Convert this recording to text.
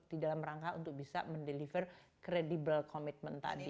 di dalam rangka untuk bisa mendeliver credibel commitment tadi